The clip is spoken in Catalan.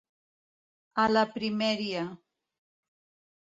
A la primeria.